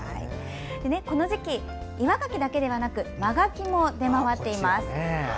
この時期、岩がきだけではなく真がきも出回っています。